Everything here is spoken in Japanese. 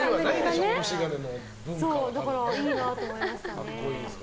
だから、あれいいなって思いましたね。